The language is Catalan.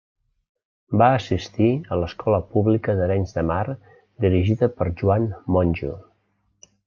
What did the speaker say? Va assistir a l'escola pública d'Arenys de Mar dirigida per Joan Monjo.